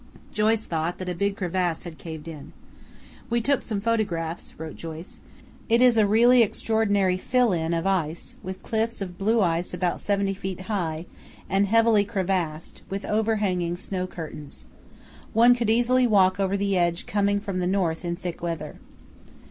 Joyce thought that a big crevasse had caved in. "We took some photographs," wrote Joyce. "It is a really extraordinary fill in of ice, with cliffs of blue ice about 70 feet high, and heavily crevassed, with overhanging snow curtains. One could easily walk over the edge coming from the north in thick weather."